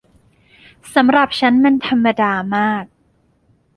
สำหรับฉันมันธรรมดามาก